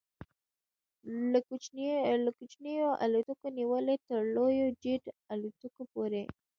له کوچنیو الوتکو نیولې تر لویو جيټ الوتکو پورې